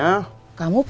yang gue ketemu dulu